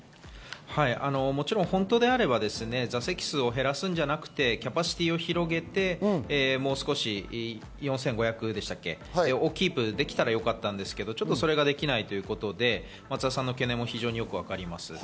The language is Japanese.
本当であれば座席数を減らすんじゃなくて、キャパシティーを広げて、４５００席をキープできたらよかったんですけど、それができないということで、松田さんの懸念も非常に分かります。